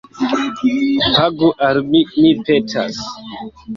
Pagu al mi, mi petas